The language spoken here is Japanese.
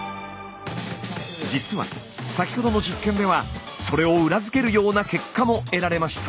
実は先ほどの実験ではそれを裏付けるような結果も得られました。